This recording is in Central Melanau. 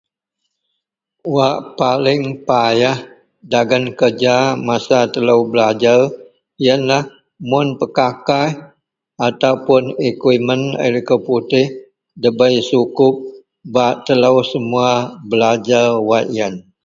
Wak paling payah dagen kereja masa telou belajer yenlah mun pekakaih atau equipment laei likou putih ndabei sukup bak telou semua belajer wak yen.